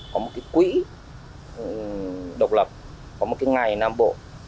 có một quỹ độc lập có một ngày nam bộ